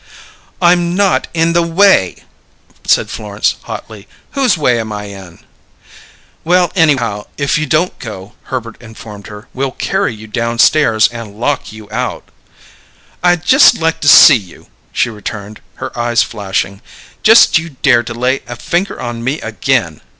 "I'm not in the way," said Florence hotly. "Whose way am I in?" "Well, anyhow, if you don't go," Herbert informed her, "we'll carry you downstairs and lock you out." "I'd just like to see you!" she returned, her eyes flashing. "Just you dare to lay a finger on me again!"